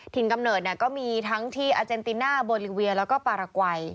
กำเนิดก็มีทั้งที่อาเจนติน่าโบลิเวียแล้วก็ปารากวัย